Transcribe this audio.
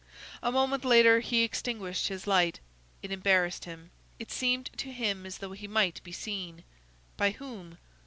A moment later he extinguished his light; it embarrassed him. It seemed to him as though he might be seen. By whom?